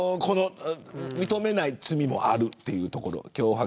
認めない罪もあるというところ脅迫。